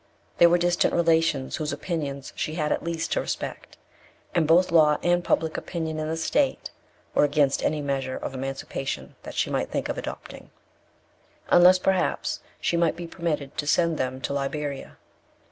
There were distant relations whose opinions she had at least to respect. And both law and public opinion in the state were against any measure of emancipation that she might think of adopting; unless, perhaps, she might be permitted to send them to Liberia.